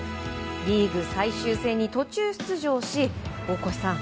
リーグ最終戦に途中出場し大越さん